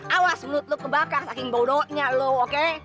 awas menut lo kebakar saking bodohnya lo oke